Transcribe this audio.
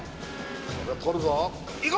これは取るぞい